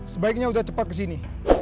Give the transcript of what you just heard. sebaiknya udah cepat kesini